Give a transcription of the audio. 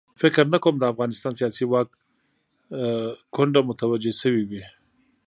فکر نه کوم د افغانستان سیاسي واک کونډه متوجه شوې وي.